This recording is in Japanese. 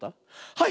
はい！